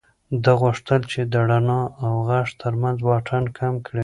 ده غوښتل چې د رڼا او غږ تر منځ واټن کم کړي.